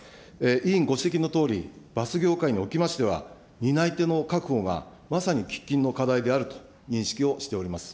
委員ご指摘のとおり、バス業界におきましては、担い手の確保がまさに喫緊の課題であると認識をしております。